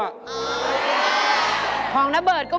รายการต่อไปนี้เป็นรายการทั่วไปสามารถรับชมได้ทุกวัย